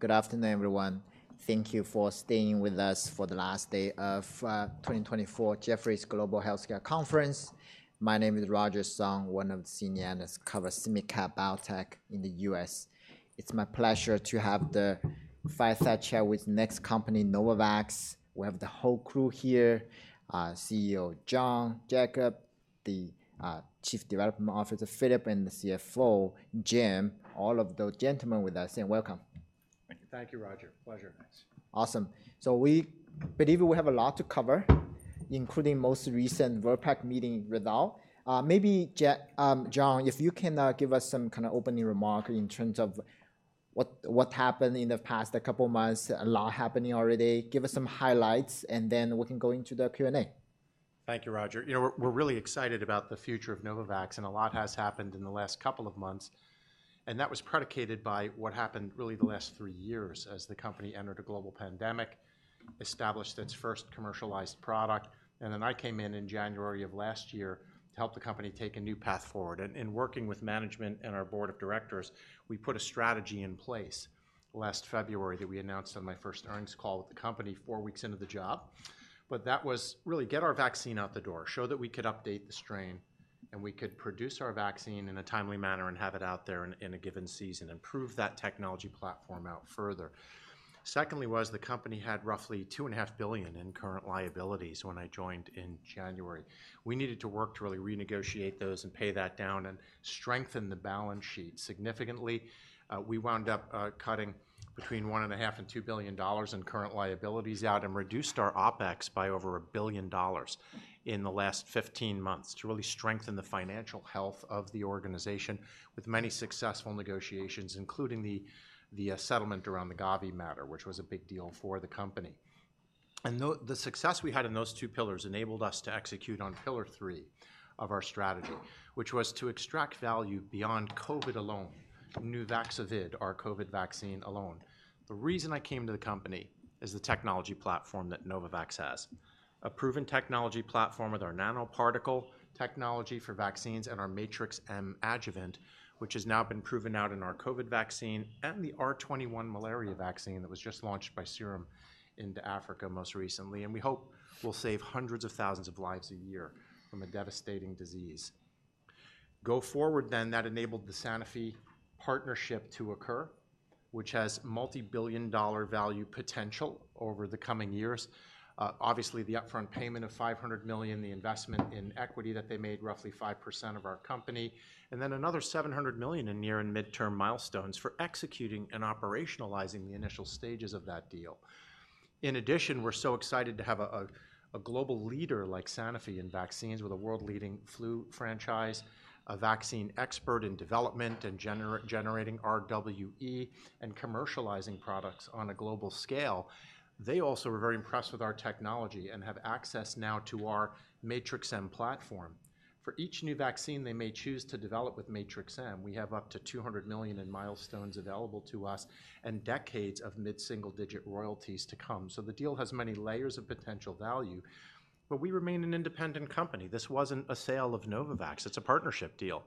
Good afternoon, everyone. Thank you for staying with us for the last day of 2024 Jefferies Global Healthcare Conference. My name is Roger Song, one of the senior analysts covering SMID-cap biotech in the U.S. It's my pleasure to have the fireside chat with the next company, Novavax. We have the whole crew here: CEO John Jacobs, the Chief Development Officer Filip, and the CFO, Jim. All of those gentlemen with us. Welcome. Thank you, Roger. Pleasure. Awesome. So we believe we have a lot to cover, including the most recent VRBPAC meeting result. Maybe, John, if you can give us some kind of opening remark in terms of what happened in the past couple of months, a lot happening already. Give us some highlights, and then we can go into the Q&A. Thank you, Roger. You know, we're really excited about the future of Novavax, and a lot has happened in the last couple of months. That was predicated by what happened really the last three years as the company entered a global pandemic, established its first commercialized product, and then I came in in January of last year to help the company take a new path forward. Working with management and our board of directors, we put a strategy in place last February that we announced on my first earnings call with the company four weeks into the job. But that was really to get our vaccine out the door, show that we could update the strain, and we could produce our vaccine in a timely manner and have it out there in a given season, and prove that technology platform out further. Secondly, the company had roughly $2.5 billion in current liabilities when I joined in January. We needed to work to really renegotiate those and pay that down and strengthen the balance sheet significantly. We wound up cutting between $1.5 billion-$2 billion in current liabilities out and reduced our OpEx by over $1 billion in the last 15 months to really strengthen the financial health of the organization with many successful negotiations, including the settlement around the Gavi matter, which was a big deal for the company. The success we had in those two pillars enabled us to execute on pillar three of our strategy, which was to extract value beyond COVID alone, Nuvaxovid, our COVID vaccine alone. The reason I came to the company is the technology platform that Novavax has: a proven technology platform with our nanoparticle technology for vaccines and our Matrix-M adjuvant, which has now been proven out in our COVID vaccine and the R21 malaria vaccine that was just launched by Serum into Africa most recently. We hope we'll save hundreds of thousands of lives a year from a devastating disease. Go forward, then, that enabled the Sanofi partnership to occur, which has multibillion-dollar value potential over the coming years. Obviously, the upfront payment of $500 million, the investment in equity that they made roughly 5% of our company, and then another $700 million in near and midterm milestones for executing and operationalizing the initial stages of that deal. In addition, we're so excited to have a global leader like Sanofi in vaccines with a world-leading flu franchise, a vaccine expert in development and generating RWE, and commercializing products on a global scale. They also are very impressed with our technology and have access now to our Matrix-M platform. For each new vaccine they may choose to develop with Matrix-M, we have up to $200 million in milestones available to us and decades of mid-single-digit royalties to come. So the deal has many layers of potential value. But we remain an independent company. This wasn't a sale of Novavax. It's a partnership deal.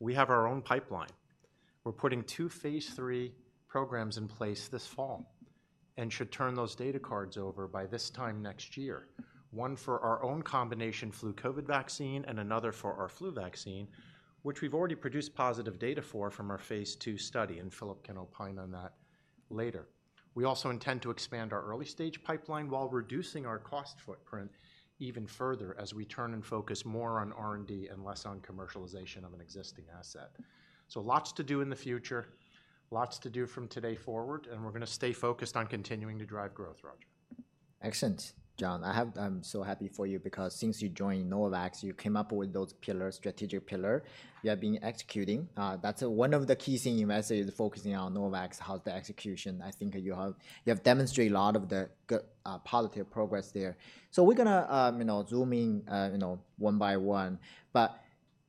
We have our own pipeline. We're putting two phase III programs in place this fall and should turn those data cards over by this time next year: one for our own combination flu/COVID vaccine and another for our flu vaccine, which we've already produced positive data for from our phase II study, and Filip can opine on that later. We also intend to expand our early-stage pipeline while reducing our cost footprint even further as we turn and focus more on R&D and less on commercialization of an existing asset. So lots to do in the future, lots to do from today forward, and we're going to stay focused on continuing to drive growth, Roger. Excellent, John. I'm so happy for you because since you joined Novavax, you came up with those pillars, strategic pillars you have been executing. That's one of the key things you message is focusing on Novavax, how the execution. I think you have demonstrated a lot of the positive progress there. So we're going to zoom in one by one. But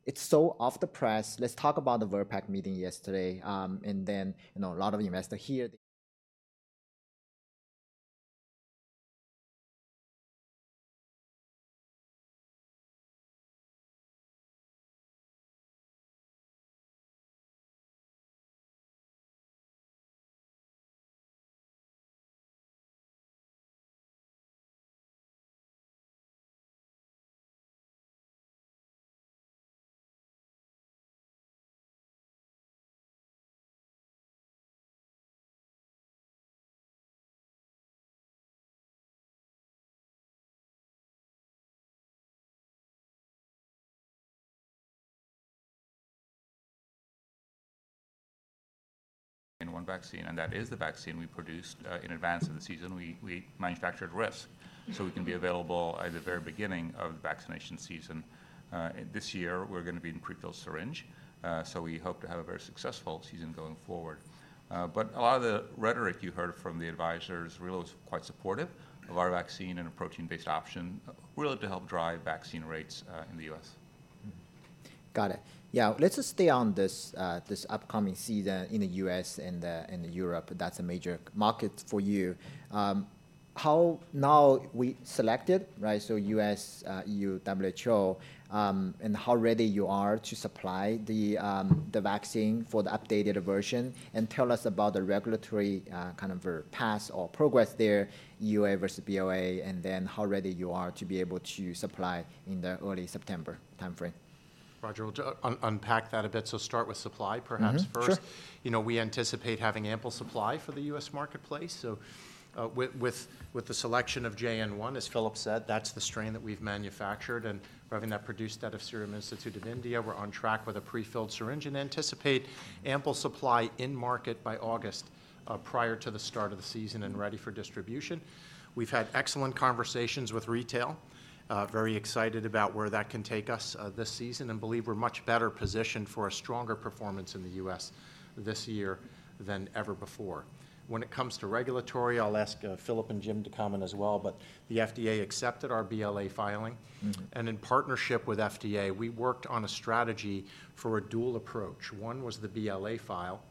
it's so off the press. Let's talk about the VRBPAC meeting yesterday and then a lot of investors here. One vaccine, and that is the vaccine we produced in advance of the season. We manufactured risk so we can be available at the very beginning of the vaccination season. This year, we're going to be in pre-filled syringe. So we hope to have a very successful season going forward. But a lot of the rhetoric you heard from the advisors really was quite supportive of our vaccine and a protein-based option really to help drive vaccine rates in the U.S. Got it. Yeah. Let's just stay on this upcoming season in the U.S. and Europe. That's a major market for you. How now we selected, right, so U.S., EU, WHO, and how ready you are to supply the vaccine for the updated version. And tell us about the regulatory kind of path or progress there, EUA versus BLA, and then how ready you are to be able to supply in the early September timeframe. Roger, we'll unpack that a bit. So start with supply, perhaps, first. Sure. You know, we anticipate having ample supply for the U.S. marketplace. So with the selection of JN.1, as Filip said, that's the strain that we've manufactured, and we're having that produced out of Serum Institute of India. We're on track with a pre-filled syringe and anticipate ample supply in market by August prior to the start of the season and ready for distribution. We've had excellent conversations with retail, very excited about where that can take us this season, and believe we're much better positioned for a stronger performance in the U.S. this year than ever before. When it comes to regulatory, I'll ask Filip and Jim to comment as well. But the FDA accepted our BLA filing. And in partnership with FDA, we worked on a strategy for a dual approach. One was the BLA file,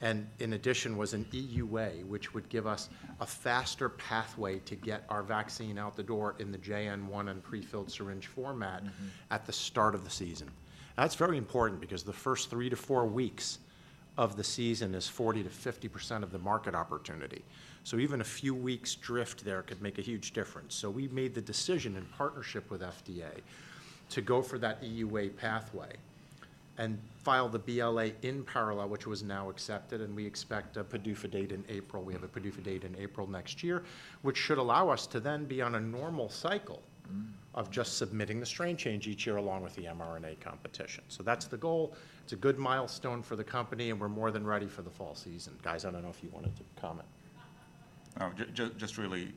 and in addition was an EUA, which would give us a faster pathway to get our vaccine out the door in the JN.1 and pre-filled syringe format at the start of the season. That's very important because the first 3-4 weeks of the season is 40%-50% of the market opportunity. So even a few weeks' drift there could make a huge difference. So we made the decision in partnership with FDA to go for that EUA pathway and file the BLA in parallel, which was now accepted. And we expect a PDUFA date in April. We have a PDUFA date in April next year, which should allow us to then be on a normal cycle of just submitting the strain change each year along with the mRNA competition. So that's the goal. It's a good milestone for the company, and we're more than ready for the fall season. Guys, I don't know if you wanted to comment. Just really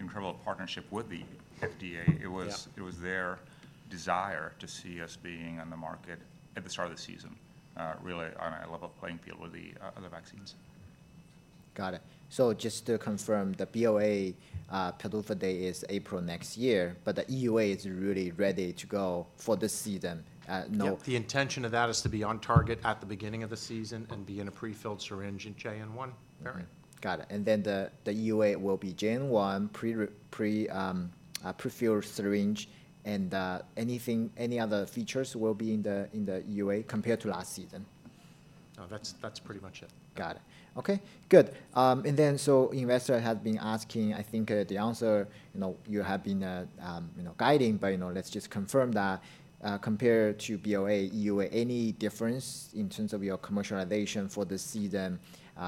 incredible partnership with the FDA. It was their desire to see us being on the market at the start of the season, really. And I love level playing field with the vaccines. Got it. So just to confirm, the BLA PDUFA date is April next year, but the EUA is really ready to go for this season. Yep. The intention of that is to be on target at the beginning of the season and be in a pre-filled syringe in JN.1 variant. Got it. And then the EUA will be JN.1, pre-filled syringe, and any other features will be in the EUA compared to last season. That's pretty much it. Got it. Okay. Good. And then so investors have been asking, I think the answer you have been guiding, but let's just confirm that compared to BLA, EUA, any difference in terms of your commercialization for the season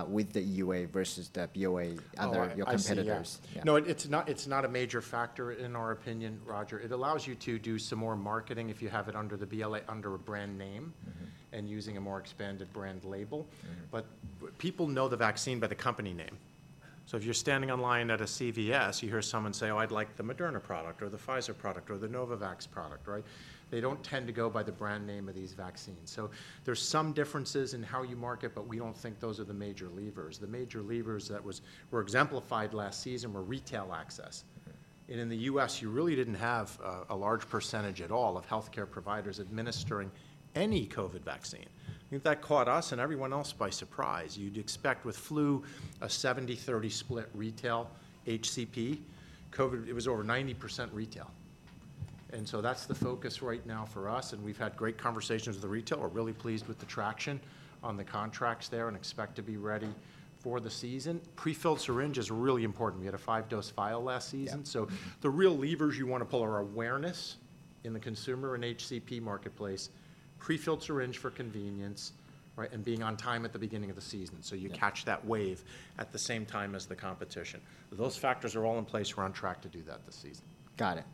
with the EUA versus the BLA, other competitors? No, it's not a major factor in our opinion, Roger. It allows you to do some more marketing if you have it under the BLA under a brand name and using a more expanded brand label. But people know the vaccine by the company name. So if you're standing in line at a CVS, you hear someone say, "Oh, I'd like the Moderna product or the Pfizer product or the Novavax product," right? They don't tend to go by the brand name of these vaccines. So there's some differences in how you market, but we don't think those are the major levers. The major levers that were exemplified last season were retail access. In the U.S., you really didn't have a large percentage at all of healthcare providers administering any COVID vaccine. I think that caught us and everyone else by surprise. You'd expect with flu a 70/30 split retail, HCP, COVID, it was over 90% retail. So that's the focus right now for us. We've had great conversations with the retailer. We're really pleased with the traction on the contracts there and expect to be ready for the season. Pre-filled syringe is really important. We had a 5-dose vial last season. The real levers you want to pull are awareness in the consumer and HCP marketplace, pre-filled syringe for convenience, and being on time at the beginning of the season so you catch that wave at the same time as the competition. Those factors are all in place. We're on track to do that this season. Got it.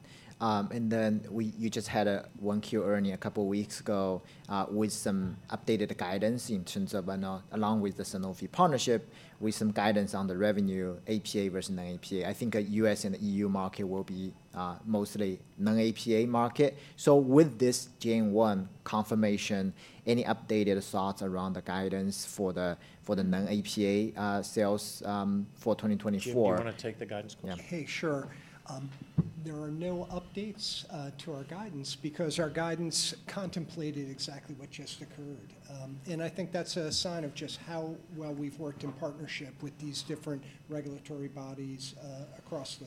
And then you just had one Q&A a couple of weeks ago with some updated guidance in terms of, along with the Sanofi partnership, with some guidance on the revenue APA versus non-APA. I think U.S. and EU market will be mostly non-APA market. So with this JN.1 confirmation, any updated thoughts around the guidance for the non-APA sales for 2024? Do you want to take the guidance question? Hey, sure. There are no updates to our guidance because our guidance contemplated exactly what just occurred. And I think that's a sign of just how well we've worked in partnership with these different regulatory bodies across the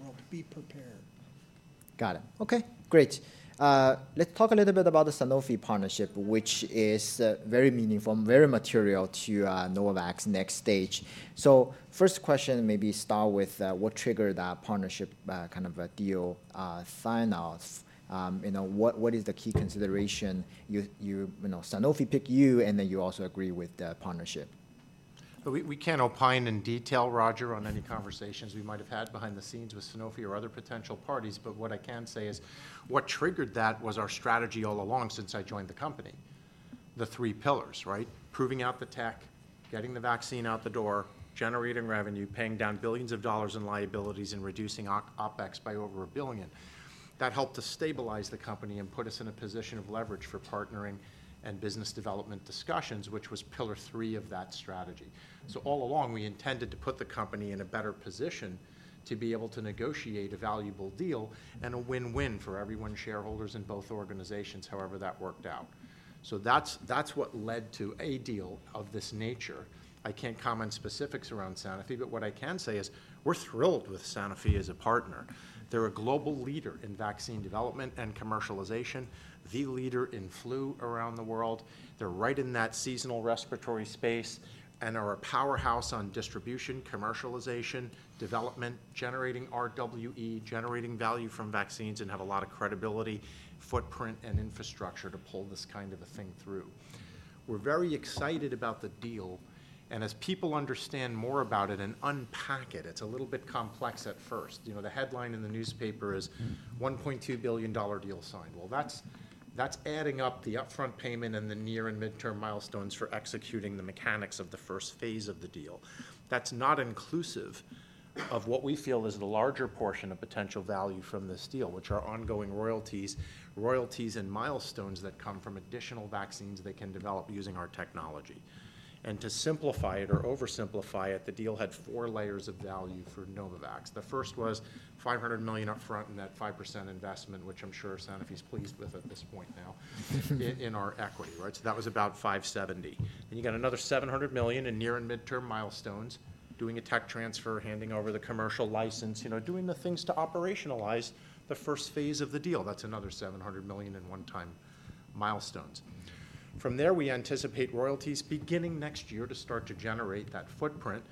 world to be prepared. Got it. Okay. Great. Let's talk a little bit about the Sanofi partnership, which is very meaningful, very material to Novavax next stage. So first question, maybe start with what triggered that partnership kind of deal sign-off? What is the key consideration? Sanofi picked you, and then you also agree with the partnership We can't opine in detail, Roger, on any conversations we might have had behind the scenes with Sanofi or other potential parties. But what I can say is what triggered that was our strategy all along since I joined the company, the three pillars, right? Proving out the tech, getting the vaccine out the door, generating revenue, paying down billions of dollars in liabilities, and reducing OpEx by over $1 billion. That helped to stabilize the company and put us in a position of leverage for partnering and business development discussions, which was pillar three of that strategy. So all along, we intended to put the company in a better position to be able to negotiate a valuable deal and a win-win for everyone's shareholders in both organizations, however that worked out. So that's what led to a deal of this nature. I can't comment on specifics around Sanofi, but what I can say is we're thrilled with Sanofi as a partner. They're a global leader in vaccine development and commercialization, the leader in flu around the world. They're right in that seasonal respiratory space and are a powerhouse on distribution, commercialization, development, generating RWE, generating value from vaccines, and have a lot of credibility, footprint, and infrastructure to pull this kind of a thing through. We're very excited about the deal. And as people understand more about it and unpack it, it's a little bit complex at first. The headline in the newspaper is, "$1.2 billion deal signed." Well, that's adding up the upfront payment and the near and midterm milestones for executing the mechanics of the first phase of the deal. That's not inclusive of what we feel is the larger portion of potential value from this deal, which are ongoing royalties, royalties and milestones that come from additional vaccines they can develop using our technology. And to simplify it or oversimplify it, the deal had four layers of value for Novavax. The first was $500 million upfront and that 5% investment, which I'm sure Sanofi's pleased with at this point now in our equity, right? So that was about $570 million. And you got another $700 million in near and midterm milestones, doing a tech transfer, handing over the commercial license, doing the things to operationalize the first phase of the deal. That's another $700 million in one-time milestones. From there, we anticipate royalties beginning next year to start to generate that footprint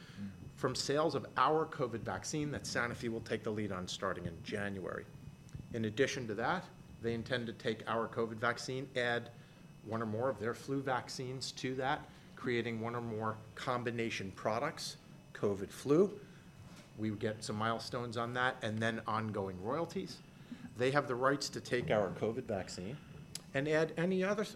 from sales of our COVID vaccine that Sanofi will take the lead on starting in January. In addition to that, they intend to take our COVID vaccine, add one or more of their flu vaccines to that, creating one or more combination products, COVID-flu. We would get some milestones on that and then ongoing royalties. They have the rights to take our COVID vaccine and add any other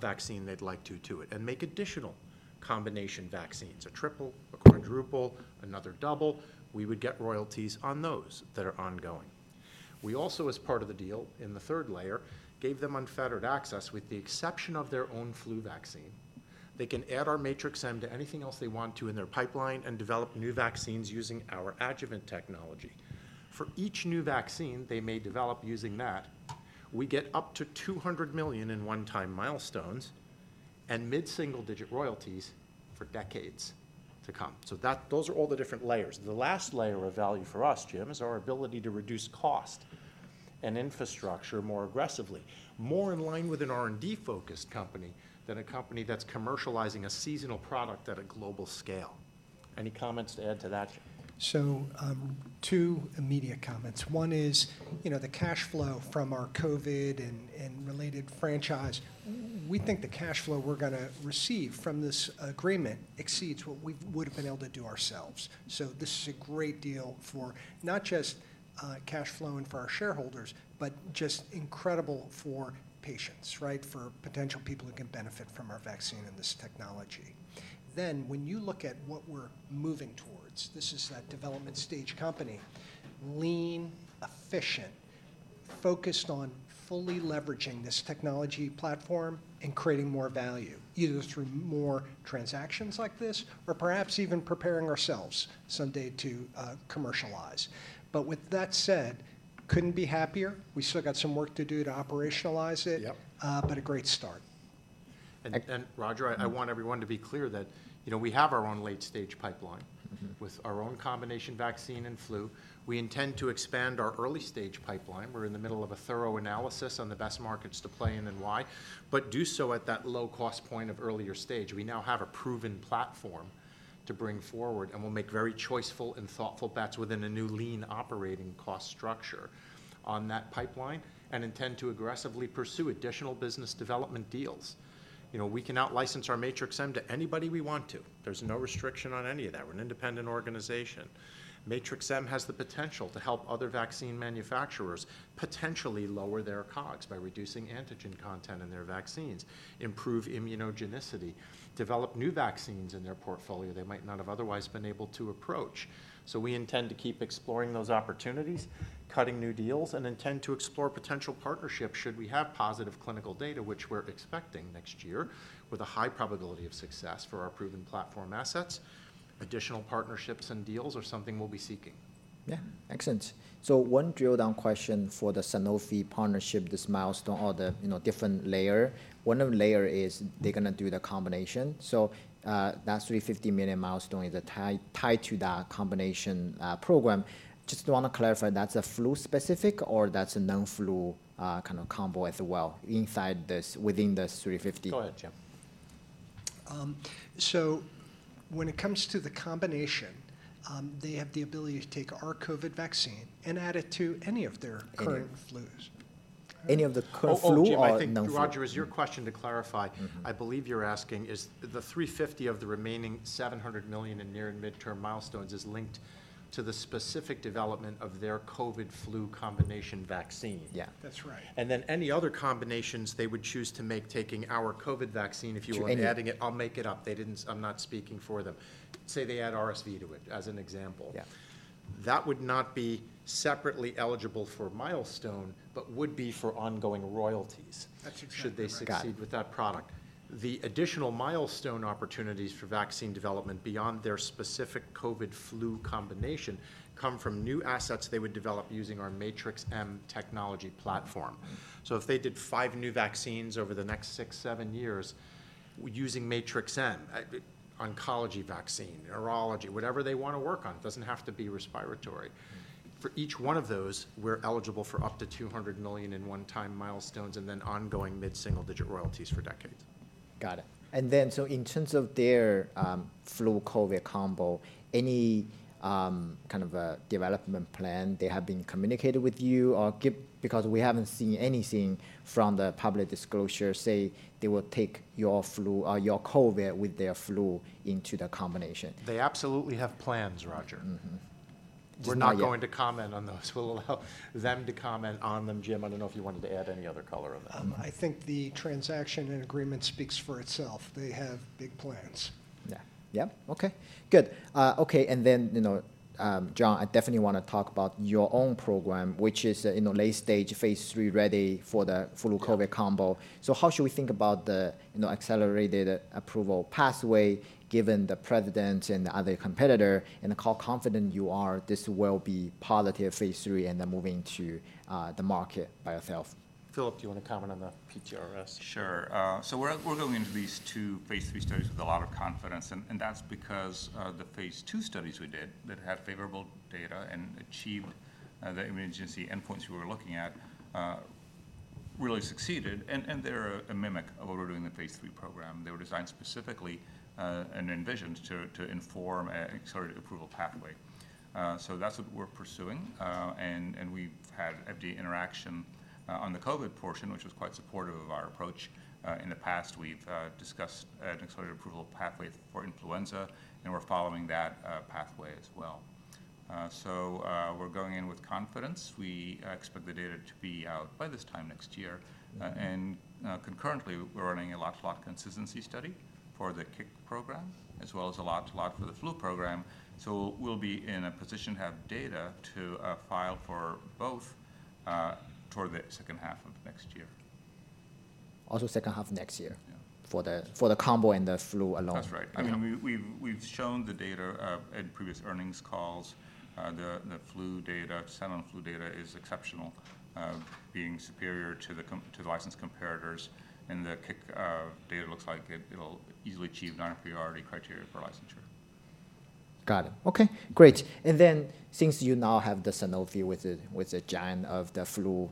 vaccine they'd like to it and make additional combination vaccines, a triple, a quadruple, another double. We would get royalties on those that are ongoing. We also, as part of the deal in the third layer, gave them unfettered access with the exception of their own flu vaccine. They can add our Matrix-M to anything else they want to in their pipeline and develop new vaccines using our adjuvant technology. For each new vaccine they may develop using that, we get up to $200 million in one-time milestones and mid-single-digit royalties for decades to come. Those are all the different layers. The last layer of value for us, Jim, is our ability to reduce cost and infrastructure more aggressively, more in line with an R&D-focused company than a company that's commercializing a seasonal product at a global scale. Any comments to add to that? So two immediate comments. One is the cash flow from our COVID and related franchise. We think the cash flow we're going to receive from this agreement exceeds what we would have been able to do ourselves. So this is a great deal for not just cash flow and for our shareholders, but just incredible for patients, right, for potential people who can benefit from our vaccine and this technology. Then when you look at what we're moving towards, this is that development stage company, lean, efficient, focused on fully leveraging this technology platform and creating more value, either through more transactions like this or perhaps even preparing ourselves someday to commercialize. But with that said, couldn't be happier. We still got some work to do to operationalize it, but a great start. Roger, I want everyone to be clear that we have our own late-stage pipeline with our own combination vaccine and flu. We intend to expand our early-stage pipeline. We're in the middle of a thorough analysis on the best markets to play in and why, but do so at that low-cost point of earlier stage. We now have a proven platform to bring forward, and we'll make very choiceful and thoughtful bets within a new lean operating cost structure on that pipeline and intend to aggressively pursue additional business development deals. We can out-license our Matrix-M to anybody we want to. There's no restriction on any of that. We're an independent organization. Matrix-M has the potential to help other vaccine manufacturers potentially lower their costs by reducing antigen content in their vaccines, improve immunogenicity, develop new vaccines in their portfolio they might not have otherwise been able to approach. We intend to keep exploring those opportunities, cutting new deals, and intend to explore potential partnerships should we have positive clinical data, which we're expecting next year with a high probability of success for our proven platform assets. Additional partnerships and deals are something we'll be seeking. Yeah. Excellent. So one drill-down question for the Sanofi partnership, this milestone or the different layer. One of the layers is they're going to do the combination. So that $350 million milestone is tied to that combination program. Just want to clarify, that's a flu-specific or that's a non-flu kind of combo as well inside this, within the $350? Go ahead, Jim. When it comes to the combination, they have the ability to take our COVID vaccine and add it to any of their current flus. Any of the current flu or non-flu? Roger, is your question to clarify? I believe you're asking, is the $350 of the remaining $700 million in near and midterm milestones is linked to the specific development of their COVID-flu combination vaccine? Yeah. That's right. Then any other combinations they would choose to make taking our COVID vaccine, if you want to add in it, I'll make it up. I'm not speaking for them. Say they add RSV to it, as an example. That would not be separately eligible for milestone, but would be for ongoing royalties should they succeed with that product. The additional milestone opportunities for vaccine development beyond their specific COVID-flu combination come from new assets they would develop using our Matrix-M technology platform. So if they did five new vaccines over the next six, seven years using Matrix-M, oncology vaccine, urology, whatever they want to work on, it doesn't have to be respiratory. For each one of those, we're eligible for up to $200 million in one-time milestones and then ongoing mid-single-digit royalties for decades. Got it. And then so in terms of their flu/COVID combo, any kind of a development plan they have been communicated with you? Because we haven't seen anything from the public disclosure, say they will take your flu or your COVID with their flu into the combination. They absolutely have plans, Roger. We're not going to comment on those. We'll allow them to comment on them. Jim, I don't know if you wanted to add any other color on that. I think the transaction and agreement speaks for itself. They have big plans. And then, John, I definitely want to talk about your own program, which is late-stage phase III ready for the flu/COVID combo. So how should we think about the accelerated approval pathway given the precedent and the other competitor? And how confident you are this will be positive phase III and then moving to the market by itself? Filip, do you want to comment on the PTRS? Sure. So we're going into these two phase III studies with a lot of confidence. And that's because the phase II studies we did that had favorable data and achieved the immunogenicity endpoints we were looking at really succeeded. And they're a mimic of what we're doing in the phase III program. They were designed specifically and envisioned to inform an accelerated approval pathway. So that's what we're pursuing. And we've had FDA interaction on the COVID portion, which was quite supportive of our approach. In the past, we've discussed an accelerated approval pathway for influenza, and we're following that pathway as well. So we're going in with confidence. We expect the data to be out by this time next year. And concurrently, we're running a lot-to-lot consistency study for the CIC program, as well as a lot-to-lot for the flu program. So we'll be in a position to have data to file for both toward the second half of next year. Also, second half of next year for the combo and the flu alone. That's right. I mean, we've shown the data in previous earnings calls. The flu data, Sanofi flu data is exceptional, being superior to the license comparators. And the CIC data looks like it'll easily achieve non-priority criteria for licensure. Got it. Okay. Great. And then since you now have the Sanofi with the giant of the flu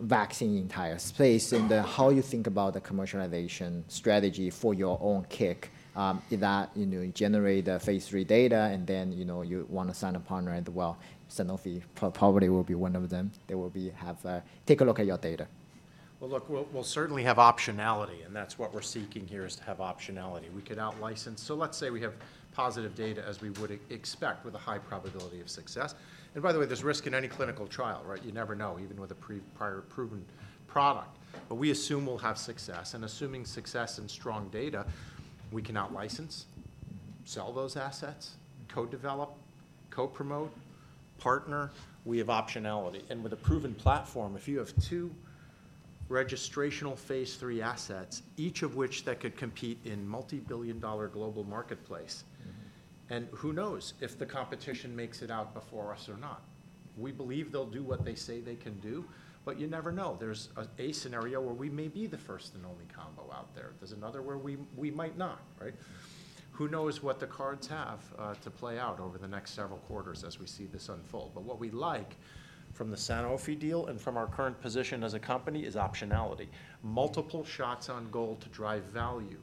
vaccine industry's place, and how you think about the commercialization strategy for your own CIC, that generate the phase III data, and then you want to sign a partner as well, Sanofi probably will be one of them. They will take a look at your data. Well, look, we'll certainly have optionality, and that's what we're seeking here is to have optionality. We could out-license. So let's say we have positive data as we would expect with a high probability of success. And by the way, there's risk in any clinical trial, right? You never know, even with a prior proven product. But we assume we'll have success. And assuming success and strong data, we can out-license, sell those assets, co-develop, co-promote, partner. We have optionality. And with a proven platform, if you have two registrational phase III assets, each of which that could compete in multi-billion-dollar global marketplace, and who knows if the competition makes it out before us or not. We believe they'll do what they say they can do, but you never know. There's a scenario where we may be the first and only combo out there. There's another where we might not, right? Who knows what the cards have to play out over the next several quarters as we see this unfold. But what we like from the Sanofi deal and from our current position as a company is optionality. Multiple shots on goal to drive value.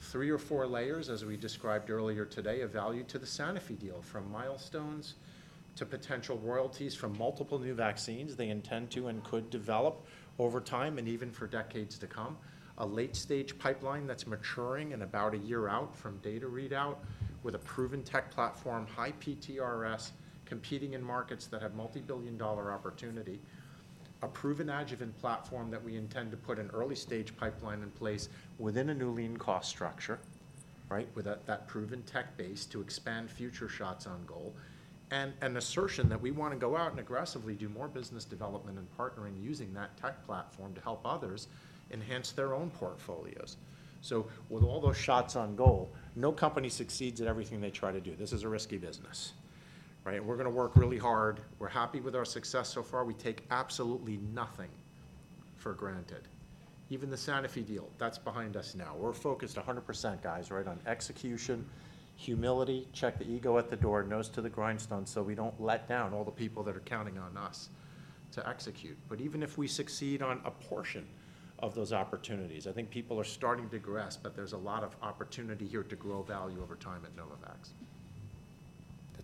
Three or four layers, as we described earlier today, of value to the Sanofi deal from milestones to potential royalties from multiple new vaccines they intend to and could develop over time and even for decades to come. A late-stage pipeline that's maturing and about a year out from data readout with a proven tech platform, high PTRS, competing in markets that have multi-billion dollar opportunity. A proven adjuvant platform that we intend to put an early-stage pipeline in place within a new lean cost structure, right, with that proven tech base to expand future shots on goal. An assertion that we want to go out and aggressively do more business development and partnering using that tech platform to help others enhance their own portfolios. So with all those shots on goal, no company succeeds at everything they try to do. This is a risky business, right? We're going to work really hard. We're happy with our success so far. We take absolutely nothing for granted. Even the Sanofi deal, that's behind us now. We're focused 100%, guys, right, on execution, humility, check the ego at the door, nose to the grindstone so we don't let down all the people that are counting on us to execute. But even if we succeed on a portion of those opportunities, I think people are starting to grasp that there's a lot of opportunity here to grow value over time at Novavax.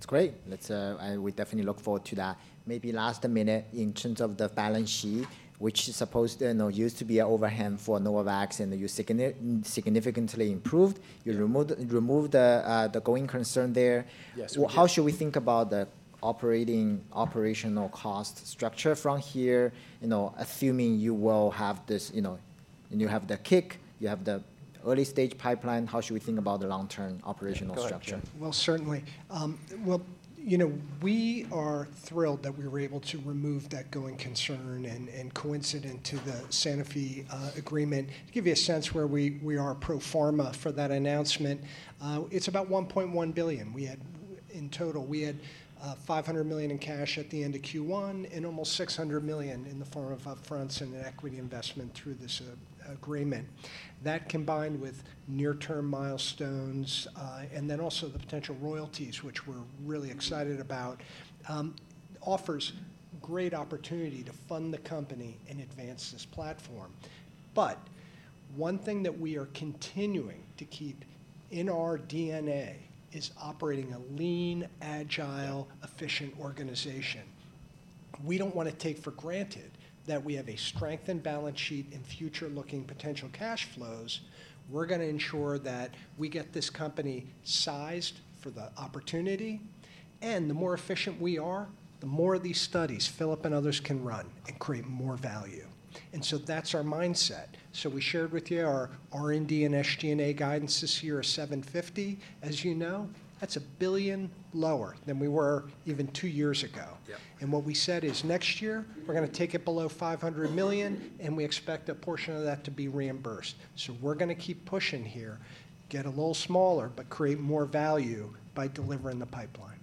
That's great. We definitely look forward to that. Maybe last minute in terms of the balance sheet, which was supposed to be an overhang for Novavax and you significantly improved. You removed the going concern there. How should we think about the operating operational cost structure from here, assuming you will have this and you have the CIC, you have the early-stage pipeline? How should we think about the long-term operational structure? Well, certainly. Well, you know we are thrilled that we were able to remove that going concern and coincident to the Sanofi agreement. To give you a sense where we are pro forma for that announcement, it's about $1.1 billion. In total, we had $500 million in cash at the end of Q1 and almost $600 million in the form of upfronts and an equity investment through this agreement. That combined with near-term milestones and then also the potential royalties, which we're really excited about, offers great opportunity to fund the company and advance this platform. But one thing that we are continuing to keep in our DNA is operating a lean, agile, efficient organization. We don't want to take for granted that we have a strengthened balance sheet and future-looking potential cash flows. We're going to ensure that we get this company sized for the opportunity. The more efficient we are, the more of these studies, Filip and others can run and create more value. That's our mindset. We shared with you our R&D and SG&A guidance this year of $750. As you know, that's $1 billion lower than we were even two years ago. What we said is next year, we're going to take it below $500 million, and we expect a portion of that to be reimbursed. We're going to keep pushing here, get a little smaller, but create more value by delivering the pipeline.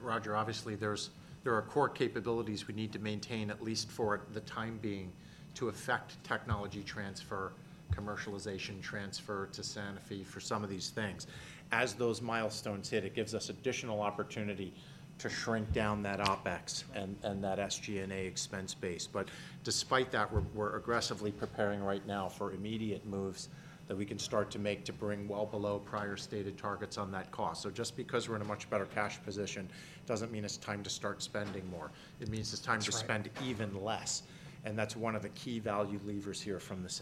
Roger, obviously, there are core capabilities we need to maintain, at least for the time being, to affect technology transfer, commercialization transfer to Sanofi for some of these things. As those milestones hit, it gives us additional opportunity to shrink down that OpEx and that SG&A expense base. But despite that, we're aggressively preparing right now for immediate moves that we can start to make to bring well below prior stated targets on that cost. So just because we're in a much better cash position doesn't mean it's time to start spending more. It means it's time to spend even less. And that's one of the key value levers here from the same.